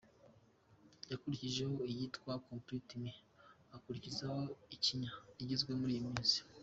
Yakurikijeho iyitwa ’Complete Me’, akurikizaho ’Ikinya’ igezweho muri iyi minsi.